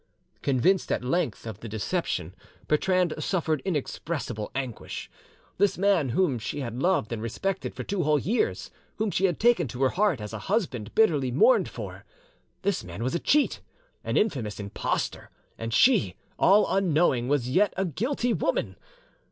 Convinced at length of the deception, Bertrande suffered inexpressible anguish. This man whom she had loved and respected for two whole years, whom she had taken to her heart as a husband bitterly mourned for—this man was a cheat, an infamous impostor, and she, all unknowing, was yet a guilty woman!